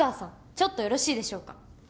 ちょっとよろしいでしょうか？